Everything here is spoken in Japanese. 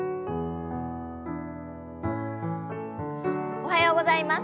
おはようございます。